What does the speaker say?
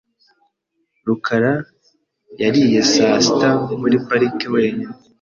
rukara yariye saa sita muri parike wenyine .